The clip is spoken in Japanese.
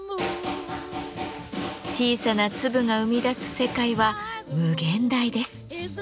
小さな粒が生み出す世界は無限大です。